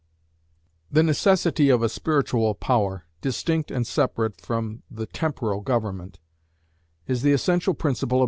The necessity of a Spiritual Power, distinct and separate from the temporal government, is the essential principle of M.